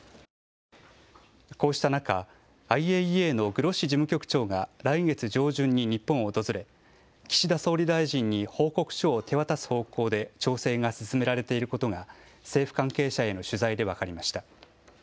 こうした中、ＩＡＥＡのグロッシ事務局長が来月上旬に日本を訪れ岸田総理大臣に報告書を手渡す方向で調整が進められていることが政府関係者への取材で分かりました。